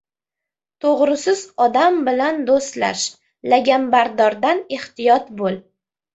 • To‘g‘riso‘z odam bilan do‘stlash, laganbardordan ehtiyot bo‘l.